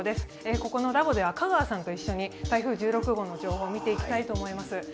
ここのラボでは香川さんと一緒に台風１６号の情報を見ていきます。